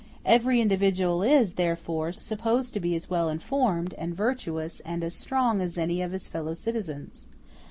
Every individual is, therefore, supposed to be as well informed, as virtuous, and as strong as any of his fellow citizens.